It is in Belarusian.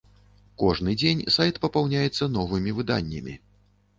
Кожны дзень сайт папаўняецца новымі выданнямі.